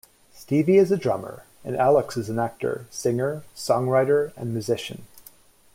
Stevie is a drummer, and Alex is an actor, singer, songwriter, and musician.